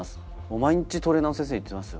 毎日トレーナーの先生に言ってますよ。